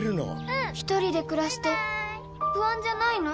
一人で暮らして不安じゃないの？